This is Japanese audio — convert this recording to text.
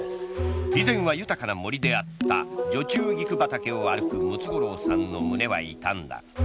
以前は豊かな森であった除虫菊畑を歩くムツゴロウさんの胸は痛んだ。